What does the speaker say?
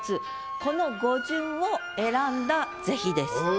この語順を選んだ是非です。